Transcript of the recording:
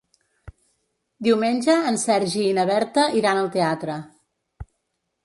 Diumenge en Sergi i na Berta iran al teatre.